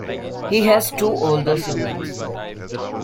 He has two older siblings.